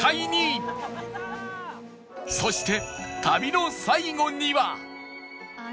そして